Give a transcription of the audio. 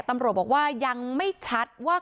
ตำรวจบอกว่ายังไม่ชัดว่า